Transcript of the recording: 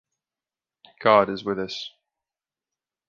God is with us.